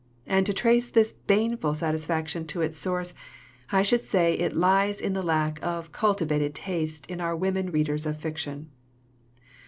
And to trace this baneful satisfaction to its source, I should say it lies in the lack of a cultivated taste in our women readers of fiction.